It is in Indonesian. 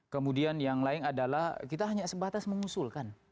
kemudian yang lain adalah kita hanya sebatas mengusul kan